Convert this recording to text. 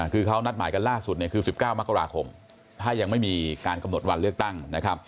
คือเขานัดหมายกันล่าสุดเนี่ยคือ๑๙มกราคมถ้ายังไม่มีการกำหนดวันเลือกตั้งนะครับ